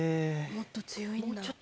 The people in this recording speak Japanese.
もっと強いんだ。